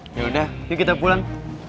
yaudah yuk kita pulang